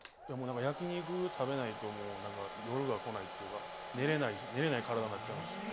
焼き肉食べないともう何か夜が来ないっていうか寝れない体になっちゃいました。